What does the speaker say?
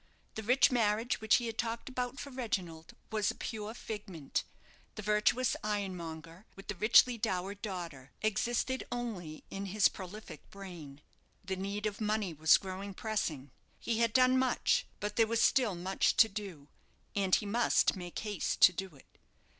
The rich marriage which he had talked about for Reginald was a pure figment; the virtuous ironmonger, with the richly dowered daughter, existed only in his prolific brain the need of money was growing pressing. He had done much, but there was still much to do, and he must make haste to do it.